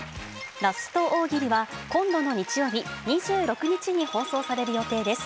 ラスト大喜利は今度の日曜日、２６日に放送される予定です。